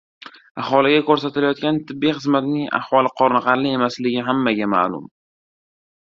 Aholiga koʻrsatilayotgan tibbiy xizmatning ahvoli qoniqarli emasligi hammaga ma`lum.